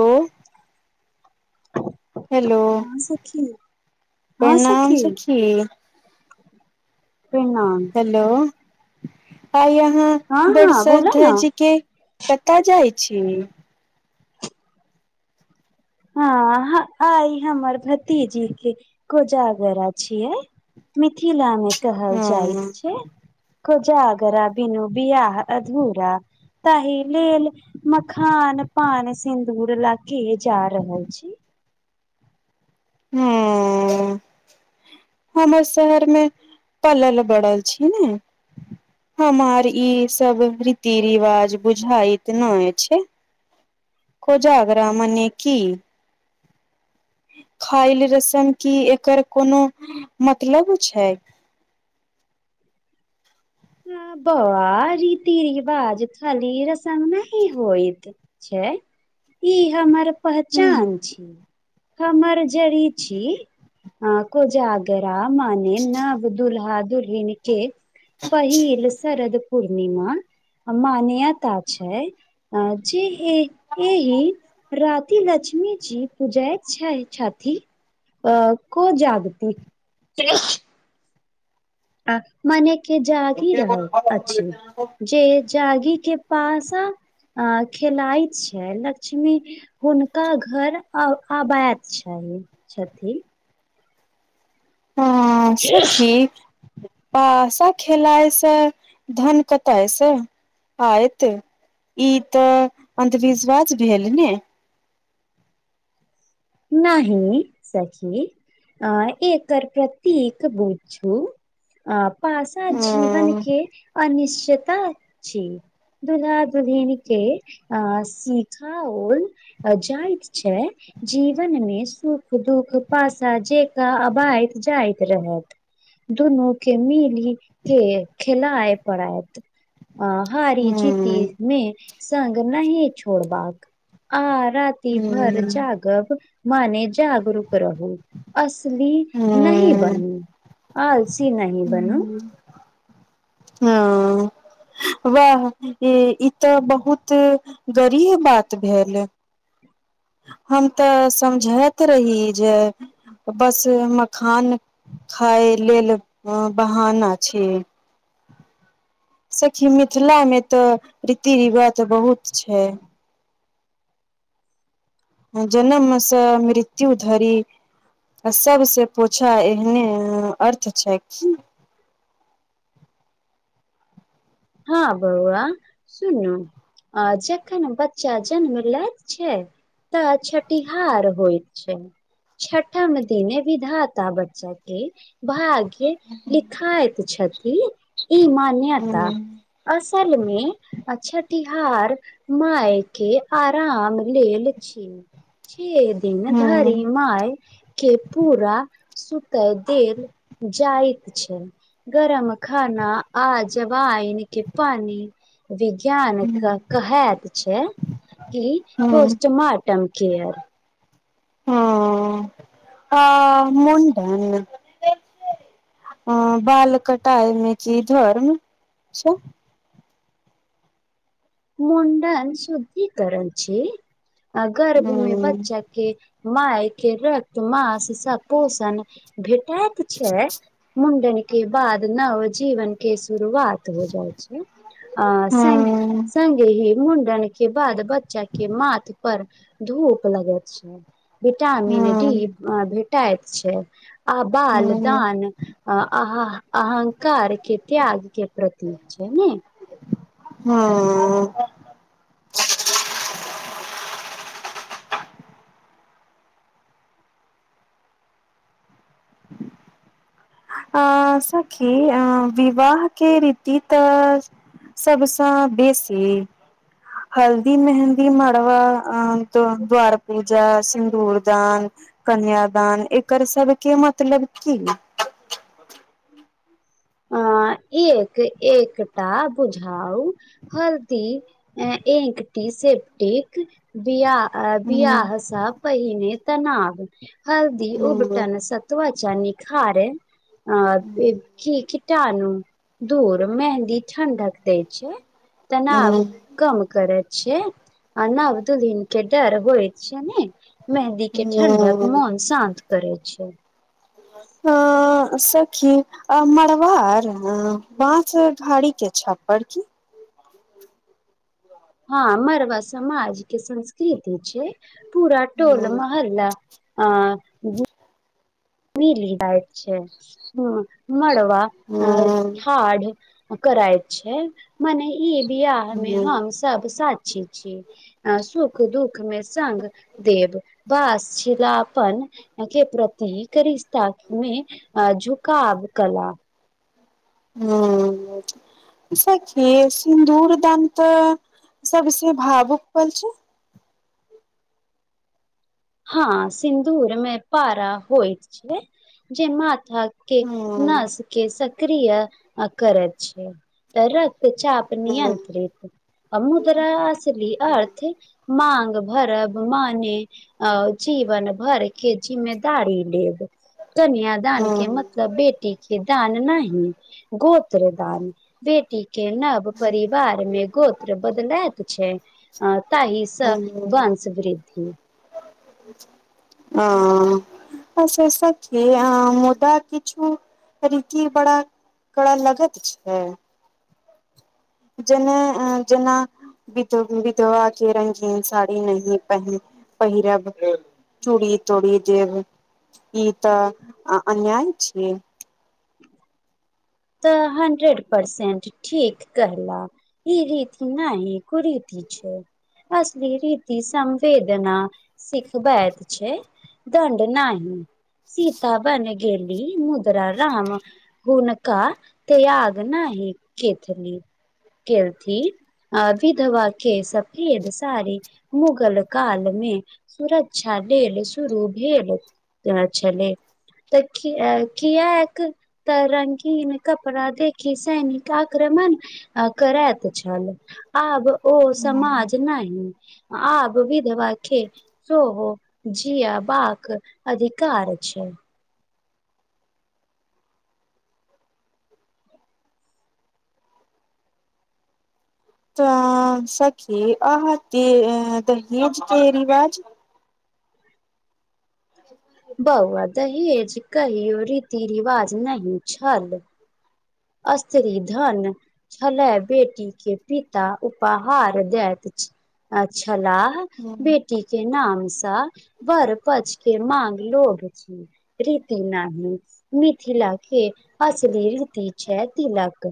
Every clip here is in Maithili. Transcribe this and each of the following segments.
हेलो हेलो हँ सखी हँ सखी प्रणाम हेलो आइ यहाँ हँ बर हँ सज बोल न धज के कतय जाइ छी हँ आइ हमर भतीजी के कोजागरा छियै मिथिलामे कहल हँ जाइत छै कोजागरा बिनु बियाह अधूरा ताहि लेल मखान पान सिन्दूर ला केज जा रहल छी हूं ऽ ऽ हमर शहर मे पलल बड़ल छी ने हमर ई सब रीति रिवाज बुझाइत नहि छै खोजाग्रा मने कि खायल रस्म की एकर कोनो मतलब छै ह ब‌उआ रीति रिवाज खाली रसम नहि होइत छै ई हमर पहचान छी हमर जड़ी छी कोजाग या माने नब दुल्हा-दुल्हिन के पहिल शरद पूर्णिमा मन्यता छै अं जेहे एही राती लक्ष्मी जी पूजैत छै छैथी अ को जागती आ मने के जागि रहल अछि जे जागि के पासा अ खेलाइत छै लक्ष्मी हुनका घर‌ अ आबाइत छै छथिन ह सखी पासा खेलायसँ धन कतायसँ आयत ई तऽ अंधविश्वास भेल ने नहि सखी अ एकर प्रतीक बूझू पासा ह जीवन के अनिश्चता छी दूल्हा दुल्हिन के अ सिखाओल जाइत छै जीवन मे सुख दुख पासा जेका अबाइत जाइत रहत दुनू के मिली के खेलय पड़ाईत आ हारी जीति ह में संग नहि छोड़बाक आ रा ती ह भरि जागब मने जागरूक रहू असली नहि ह बनू आलसी नहि बनू हँ वाह ई तऽ बहुत गरीय बात भेल हम तऽ समझैत रही जे बस मखान खाय लेल अ बहाना छै सखी मिथिला मे तऽ रीति रिवाज बहुत छै जनमसँ मृत्यु धरि आ सबसँ पूछा एहने अर्थ छै की [inaudible] हँ बौआ सुनु आ जखन बच्चा जन्म लैत छैथ तऽ छठिहार होइत छै छठम दिने विधाता बच्चा के भाग्य के लिखाइत छथि ई हँ मान्यता असल मे आ छठिहार माय के आराम लेल छी छ दिन धरि हँ माय के पूरा सुतय देल जाइत छै गरम खाना आजबाइन के पानि विज्ञान के कहैत छै कि हँ पोस्टमार्टम केयर हँ आ मुण्डन अ बाल कटाइमे की धर्म छै मुंडन शुद्धिकरण छी आ गर्भ में बच्चा के मायके रत मास स पोषण भेटाइत छै मुंडन के बाद नव जीवन के शुरुआत हो जाइ छै आ सं हँ गे ही मुंडन के बाद बच्चा के माथ पर धूप लगैत छै विटामीन डी हँ भेटाएत छै आ बाल हँ दान अ अह अहंकार के त्याग के प्रतीक छै ने हँ अ सखी विवाहके रीति तऽ सबस बेसी हल्दी मेहंदी मड़वा अ त द्वार पूजा सिदूरदान कन्यदान एकर सबके मतलब की [inaudible] अ एक एकटा बुझाउ हल्दी अ एक टी सेपटिक बिआ हूँ बियाह स पहिने तनाव हल्दी हूँ उबटन स त्वचा निखारै अ किटानू दूर मेहन्दी ठंढक दै छै तनाव कम करै छै आ नबदुलहीन के डर होइ छै ने मेंहदी के ठंडक मोन शान्त करय छै हँ हं सखी आ मड़वाड़ हं बास घाड़ी के छप्पर की हँ मरबा समाजके संस्कृति छै पूरा टोल महल्ला आ मिल जाइ छै ह मरबा ठाड कराइत छै मने ई बिवाह मे हम सब साक्षी छी अ सुख दुख मे संग देब बस छिला अपन के प्रतीक करिस्ताक मे अ झुकाब कला हं सखी सिन्दूरदान त सब स भावुक पल छै हँ सिन्दूरमे पारा होइ छै जे माथा के नसके स सक्रिय आ करैत छै त रक्तचाप नियंत्रित अ मुद्रा असलि अर्थ मांग भरब माने अ जीवन भरि के जिम्मेदारी लेब कनिया दान के मतलब बेटी के दान नहि गोत्र दान बेटी के नव परि बार मे गोत्र बदलैत छै ताहिसँ वंश वृद्धि अं आ से सच्चे मुदा किछु रीति बड़ा कर लगत छै जेना जेना विध विधवा के रंगीन साड़ी नहि पहि पहिरब चूड़ी तुड़ी जेब ई तऽ अन्याय छियै तऽ हंड्रेड परसेंट ठीक कहला ई रीति नहि कुरीति छै असली रीति संवेदना सिखबैत छै दंड नाहि सीता बन गेली मुद्रा राम हुन का तेयाग नाहि केथली केलथी आ विधवा के सफेद साड़ी मुगल काल मे सुरक्षा लेल शुरू भेल ते छलै तऽ कियाक त रंगी न कपड़ा देखि सैनिक आक्रमण आ करैत छल आब ओ समाज नहि आब विधवा के सोहो जियाबाक अधिकार छै त सखी अहां के दहेज के रिवाज [unintelligible] बौआ दहेज कहियो रीति रिवाज नहि छल अस्त्री धन छलए बेटी के पिता उपहार देैत छलाह बेटी के नाम सा वर पछ के माँग लोभ छी रीति नहि मिथिला के असली रीति छै तिलक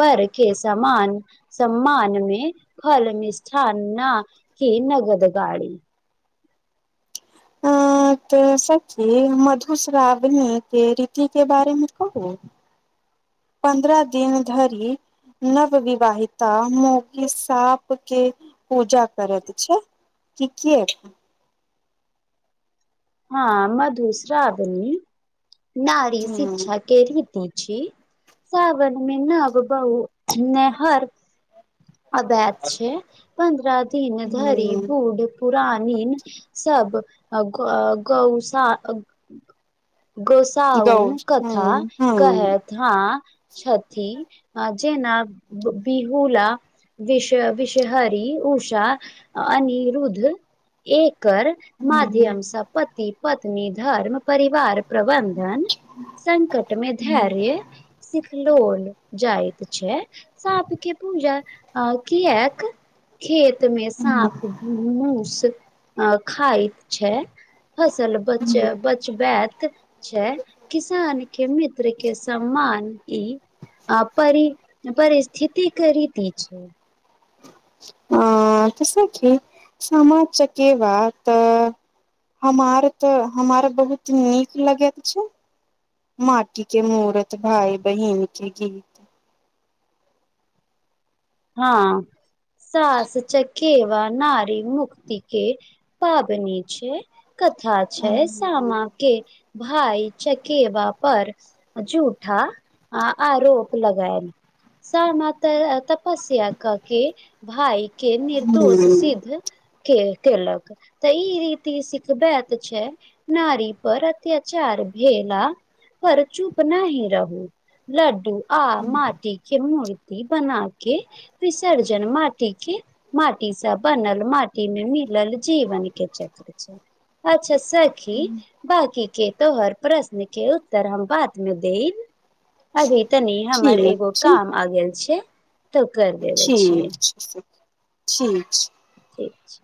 वर के समान सम्मान मे फल मिष्ठान न की नगद गाड़ी आ त सखी मधुश्रावणी के रीति के बारेमे कहू पन्द्रह दिन धरि नव विवाहिता मोगी साप के पूजा करैत छै ठीके हँ मधुश्रावणी नारी हूँ शिक्षा के रीती छी सावनमे नब बहु नेहर अबैत छै पन्द्रह दिन धरि हूँ बुऽड पुरानिन सब गौसा गोसाउन कथा कहयत धाँ छथि आ जेना बिहुला विष विषहरी उषा अनिरुद्ध एकर माध्यमसँ पति पत्नी धर्म परिवार प्रबन्धन संकट मे धैर्य सिखलोल जायत छै सांप के पूजा आ कीयैक खेतमे साँप मूस खायत छै फसल बच बच बात छै किसान के मित्र के सम्मान ई अ परी परिस्थिति कै रीति छै आ त सखी सामा चकेवा तऽ हमार तऽ हमार बहुत नीक लगैत छै माटी के मूरत भाय बहिन के गीत हँ सास चकेवा नरी मुक्ति के पाबनी छै कथा छै हूँ सामा के भाय चकेवा पर झूठा आरोप लगायल सामा त पस्या कऽ के भाय के निर्दोष सिद्ध के केलक त ई रीति सिखबेत छै नारी पर अत्याचार भेला पर चुप नाही रहू लड्डू आ माटी के मूर्ति बना के विसर्जन माटी के माटीसँ बनल माटी मे मिलल जीवन के चक्र छै अच्छा सखी बाकी के तोहर प्रश्न के उत्तर हम बात मे देब अभी तनी हमर ठीक एगो छै काम आ गेल छै तऽ कर देबे ठीक छियै छै सखी ठीक छै ठीक छै